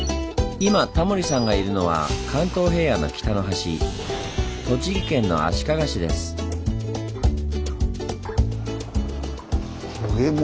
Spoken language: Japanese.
今タモリさんがいるのは関東平野の北の端栃木県の足利市です。